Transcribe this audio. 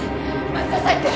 待ちなさいって！